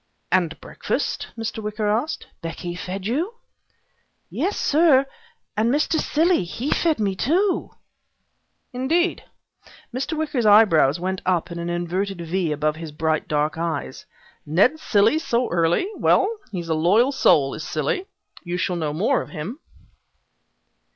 "And breakfast?" Mr. Wicker asked. "Becky fed you?" "Yes sir. And Mr. Cilley he fed me too." "Indeed?" Mr. Wicker's eyebrows went up in an inverted V above his bright dark eyes. "Ned Cilley so early? Well, he is a loyal soul, is Cilley. You shall know more of him."